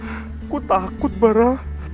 aku takut bara